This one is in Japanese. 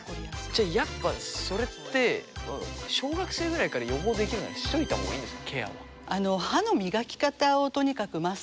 じゃあやっぱそれって小学生ぐらいから予防できるならしといた方がいいんですかケアは。